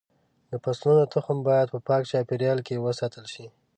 د فصلونو تخم باید په پاک چاپېریال کې وساتل شي.